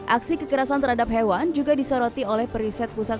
aksi kekerasan terhadap hewan juga disoroti oleh periset pusat